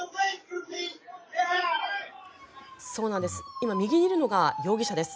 今、右にいるのが容疑者です。